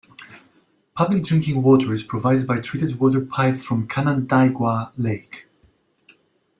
Public drinking water is provided by treated water piped from Canandaigua Lake.